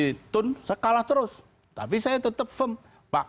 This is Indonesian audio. tapi saya tetep firm pak ini itu saya kalah terus tapi saya tetep firm pak